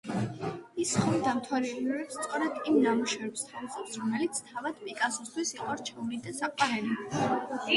ის ხომ დამთვალიერებლებს სწორედ იმ ნამუშევრებს სთავაზობს, რომლებიც თავად პიკასოსთვის იყო რჩეული და საყვარელი.